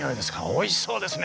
おいしそうですね」